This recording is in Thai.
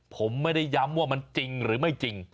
ผมไม่ได้ย้ำว่ามันจริงหรือไม่จริง